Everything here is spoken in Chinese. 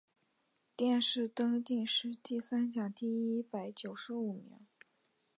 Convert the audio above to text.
殿试登进士第三甲第一百九十五名。